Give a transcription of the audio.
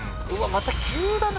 また急だな